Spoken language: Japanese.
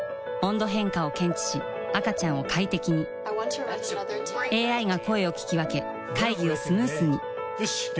温度変化を検知し赤ちゃんを快適にＡＩが声を聞き分け会議をスムースによし！